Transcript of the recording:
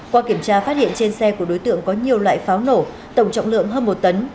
qua kiểm tra phát hiện trên xe của đối tượng có nhiều loại pháo nổ tổng trọng lượng hơn một tấn